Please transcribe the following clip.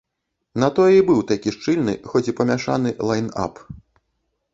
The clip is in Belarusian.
На тое і быў такі шчыльны, хоць і памяшаны, лайн-ап.